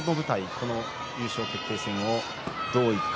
この優勝決定戦をどういくか。